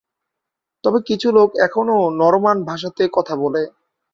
তবে কিছু লোক এখনও নরমান ভাষাতে কথা বলে।